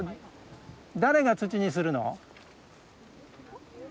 誰が土にするの？